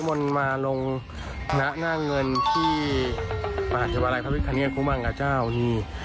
มันมาลงณะน่าเงินที่ประหถิวรายพัทธิ์พระวิทยาลัยคุม่างจริง